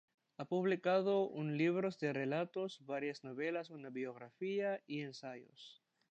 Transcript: Ha publicado un libros de relatos, varias novelas, una biografía y ensayos.